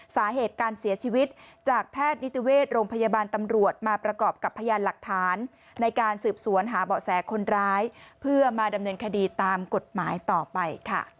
สาเหตุการเสียชีวิตจากแพทย์นิติเวชโรงพยาบาลตำรวจมาประกอบกับพยานหลักฐานในการสืบสวนหาเบาะแสคนร้ายเพื่อมาดำเนินคดีตามกฎหมายต่อไปค่ะ